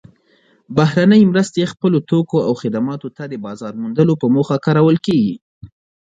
بهرنۍ مرستې خپلو توکو او خدماتو ته د بازار موندلو په موخه کارول کیږي.